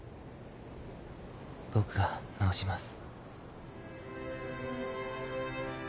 僕が治します。